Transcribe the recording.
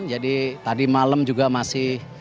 jadi tadi malam juga masih